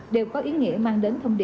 đều có ý nghĩa mang đến thông tin